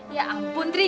ya ampun ri